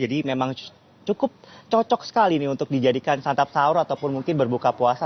jadi memang cukup cocok sekali nih untuk dijadikan santap sahur ataupun mungkin berbuka puasa